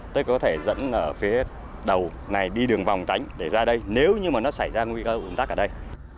tôi có thể dẫn ở phía đầu này đi đường vòng tránh để ra đây nếu như mà nó xảy ra nguy cơ ủn tắc ở đây